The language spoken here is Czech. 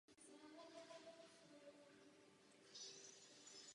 Denis v této skupině hrál na kytaru a zpíval.